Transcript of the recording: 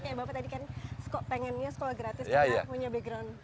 kayak bapak tadi kan pengennya sekolah gratis juga punya background